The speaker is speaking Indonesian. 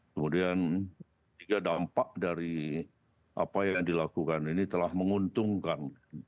kemudian tiga dampak dari apa yang dilakukan ini telah menguntungkan